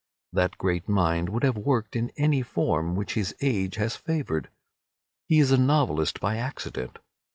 That great mind would have worked in any form which his age had favoured. He is a novelist by accident.